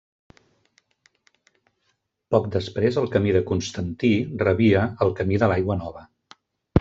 Poc després el camí de Constantí rebia el Camí de l'Aigua Nova.